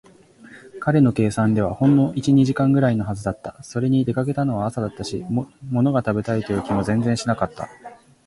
彼の計算ではほんの一、二時間ぐらいのはずだった。それに、出かけたのは朝だったし、ものが食べたいという気も全然しなかった。